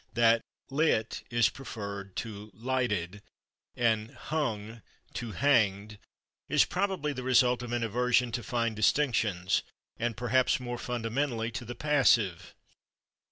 That /lit/ is preferred to /lighted/ and /hung/ to /hanged/ is probably the result of an aversion to fine distinctions, and perhaps, more fundamentally, to the passive.